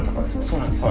そうなんです。